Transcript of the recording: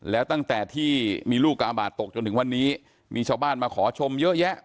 แล้วตั้งแต่ที่มีลูกกาบาทตกจนถึงวันนี้มีชาวบ้านมาขอชมเยอะแยะ